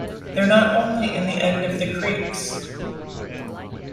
They're not only in the end of the creeks.